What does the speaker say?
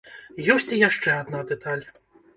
Ёсць і яшчэ адна дэталь.